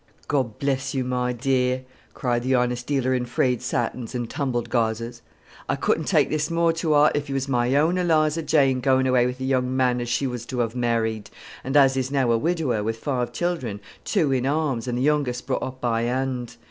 "God bless you, my dear!" cried the honest dealer in frayed satins and tumbled gauzes; "I couldn't take this more to heart if you was my own Eliza Jane going away with the young man as she was to have married, and as is now a widower with five children, two in arms, and the youngest brought up by hand.